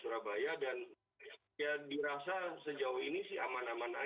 karena sebenarnya yang saya pahami regulasi robot ini saat ini belum ada